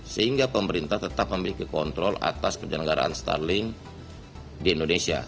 sehingga pemerintah tetap memiliki kontrol atas penyelenggaraan starling di indonesia